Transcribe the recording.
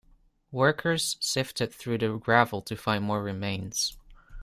Workers sifted through the gravel to find more remains.